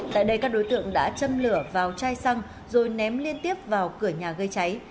tại đây các đối tượng đã châm lửa vào chai xăng rồi ném liên tiếp vào cửa nhà gây cháy